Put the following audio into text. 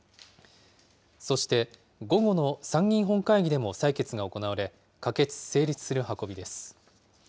そして午後の参議院本会議でも採決が行われ、可決・成立する運びです。